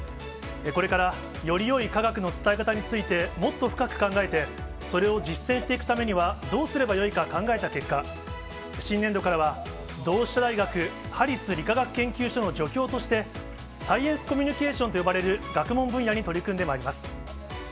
これからよりよい科学の伝え方について、もっと深く考えて、それを実践していくためにはどうすればよいか考えた結果、新年度からは、同志社大学ハリス理化学研究所の助教として、サイエンスコミュニケーションと呼ばれる学問分野に取り組んでまいります。